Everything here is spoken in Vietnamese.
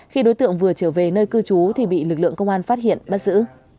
khi đối tượng vừa trở về nơi cư trú thì bị lực lượng công an phát hiện bắt giữ